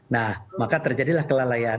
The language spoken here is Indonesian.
nah maka terjadilah kelelayaan